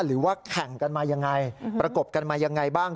หรือว่าแข่งกันมายังไงประกบกันมายังไงบ้าง